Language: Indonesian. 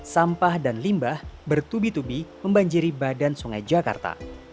sampah dan limbah bertubi tubi membanjiri badan sungai jakarta